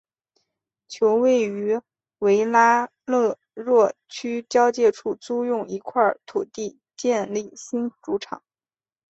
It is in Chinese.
球会于维拉勒若区交界处租用一块土地建立新主场。